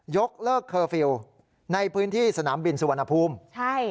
ยกเลิกเคอร์ฟิลล์ในพื้นที่สนามบินสุวรรณภูมิใช่